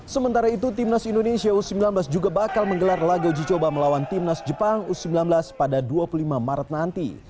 sementara itu timnas indonesia u sembilan belas juga bakal menggelar laga uji coba melawan timnas jepang u sembilan belas pada dua puluh lima maret nanti